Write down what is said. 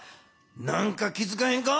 何か気づかへんか？